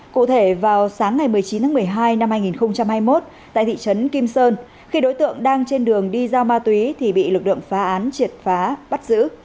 cụ thể vào sáng ngày một mươi chín tháng một mươi hai năm hai nghìn hai mươi một tại thị trấn kim sơn khi đối tượng đang trên đường đi giao ma túy thì bị lực lượng phá án triệt phá bắt giữ